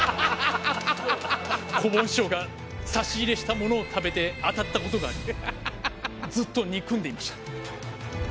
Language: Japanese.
こぼん師匠が差し入れしたものを食べてあたった事がありずっと憎んでいました。